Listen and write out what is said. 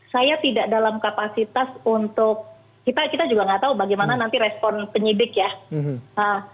saya tidak dalam kapasitas untuk kita juga nggak tahu bagaimana nanti respon penyidik ya